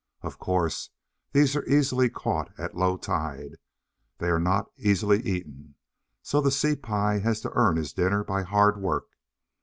Of course, these are easily "caught" at low tide; they are not easily eaten, so the Sea pie has to earn his dinner by hard work.